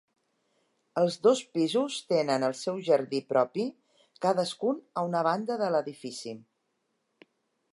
Els dos pisos tenen el seu jardí propi, cadascun a una banda de l'edifici.